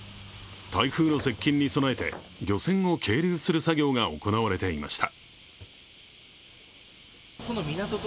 台風の接近に備えて漁船を係留する作業が行われていました。